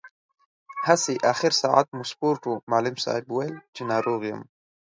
هسې، اخر ساعت مو سپورټ و، معلم صاحب ویل چې ناروغ یم.